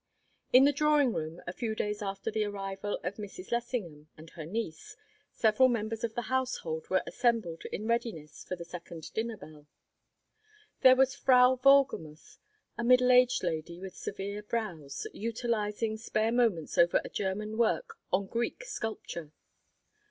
In the drawing room, a few days after the arrival of Mrs. Lessingham and her niece, several members of the house hold were assembled in readiness for the second dinner bell. There was Frau Wohlgemuth, a middle aged lady with severe brows, utilizing spare moments over a German work on Greek sculpture.